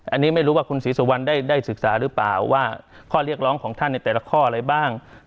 อันนี้ไม่รู้ว่าคุณศรีสุวรรณได้ศึกษาหรือเปล่าว่าข้อเรียกร้องของท่านในแต่ละข้ออะไรบ้าง